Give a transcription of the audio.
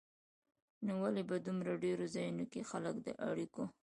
نو ولې په دومره ډېرو ځایونو کې خلک د اړیکو